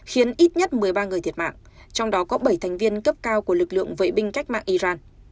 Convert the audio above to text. khiến ít nhất một mươi ba người thiệt mạng trong đó có bảy thành viên cấp cao của lực lượng vệ binh cách mạng iran